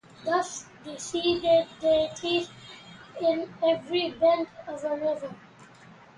Thus, they see their deities in every bend of a river.